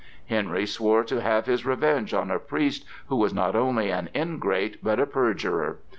Henry swore to have his revenge on a priest who was not only an ingrate but a perjurer.